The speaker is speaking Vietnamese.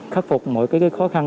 khắc phục mọi cái khó khăn